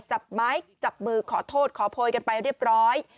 จับไม้จับมือขอโทษขอโพยกันไปเรียบร้อย